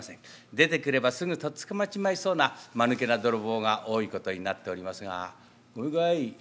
出てくればすぐとっ捕まっちまいそうなまぬけな泥棒が多いことになっておりますが。